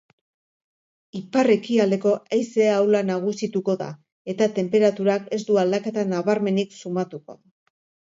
Ipar-ekialdeko haize ahula nagusituko da eta tenperaturak ez du aldaketa nabarmenik sumatuko.